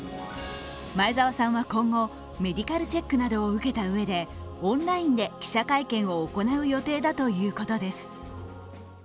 前澤さんは今後、メディカルチェックなどを受けたうえでオンラインで記者会見を行う予定だということです。